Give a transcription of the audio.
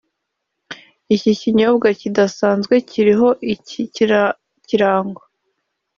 Iki kinyobwa kidasanzwe kiriho iki kirango